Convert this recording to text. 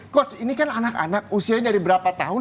coach ini kan anak anak usianya dari berapa tahun